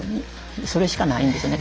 それしかないんですよね。